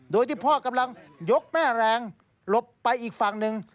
โดยที่พ่อกำลังยกแม่แรงหลบไปอีกฝั่งหนึ่ง